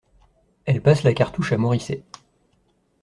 Elle passe la cartouche à Moricet.